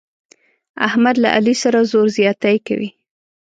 احمد له علي سره زور زیاتی کوي.